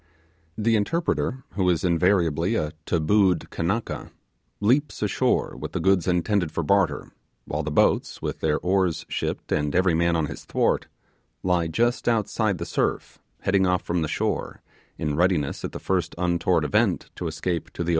The interpreter, who is invariably a 'tabooed Kanaka' *, leaps ashore with the goods intended for barter, while the boats, with their oars shipped, and every man on his thwart, lie just outside the surf, heading off the shore, in readiness at the first untoward event to escape to the open sea.